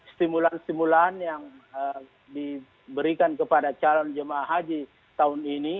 stimulan stimulan yang diberikan kepada calon jemaah haji tahun ini